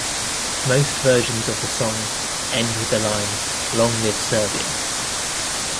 Most versions of the song end with the line "long live Serbia!".